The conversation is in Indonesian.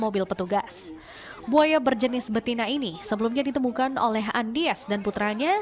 buaya berjenis betina ini sebelumnya ditemukan oleh andies dan putranya